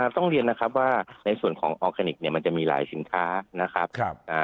ต้องเรียนนะครับว่าในส่วนของออร์แกนิคมันจะมีหลายสินค้านะครับ